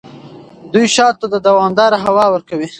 دوی شاتو ته دوامداره هوا ورکوي.